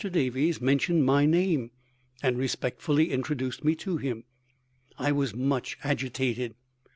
Davies mentioned my name, and respectfully introduced me to him. I was much agitated."